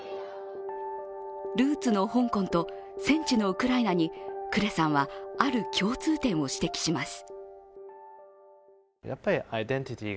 ルーツの香港と戦地のウクライナにクレさんは、ある共通点を指摘します。